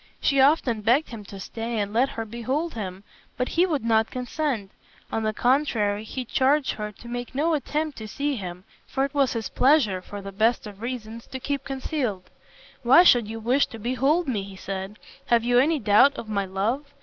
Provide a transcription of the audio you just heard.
She often begged him to stay and let her behold him, but he would not consent. On the contrary he charged her to make no attempt to see him, for it was his pleasure, for the best of reasons, to keep concealed. "Why should you wish to behold me?" he said; "have you any doubt of my love?